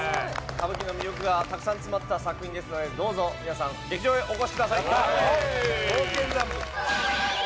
歌舞伎の魅力がたくさん詰まった作品ですのでどうぞ皆さん劇場へお越しください